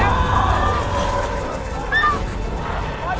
ตัวเล่น